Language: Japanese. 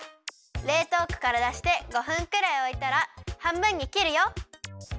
れいとうこからだして５分くらいおいたらはんぶんにきるよ！